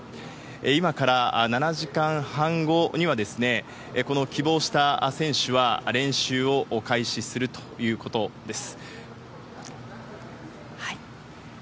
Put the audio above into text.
今から７時間半後には、この希望した選手は、練習を開始するということです。